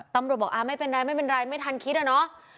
ตำรวจบอกไม่เป็นไรไม่ทันคิดอะเนาะ